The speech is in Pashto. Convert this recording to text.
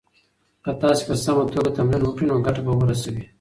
که تاسي په سمه توګه تمرین وکړئ نو ګټه به ورسوي.